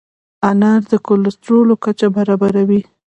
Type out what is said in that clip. انار د کولیسټرول کچه برابروي.